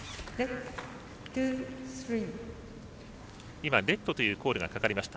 今、ネットというコールがかかりました。